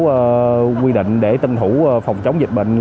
phương trang đảm bảo quy định để tinh thủ phòng chống dịch bệnh